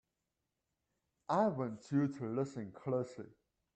I want you to listen closely!